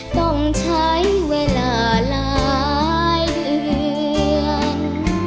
ต้องใช้เวลาหลายเดือน